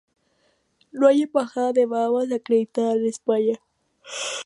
No hay Embajada de Bahamas acreditada en España.